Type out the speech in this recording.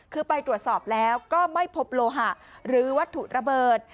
คือไปตรวจสอบแล้วก็ไม่พบโลหะหรือวัตถุระเบิด